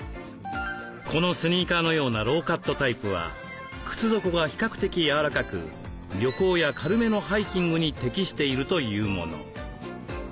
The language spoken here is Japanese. このスニーカーのようなローカットタイプは靴底が比較的柔らかく旅行や軽めのハイキングに適しているというもの。